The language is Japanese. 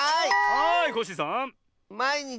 はいコッシーさん。